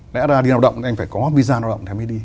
đã ra đi lao động nên anh phải có visa lao động để mới đi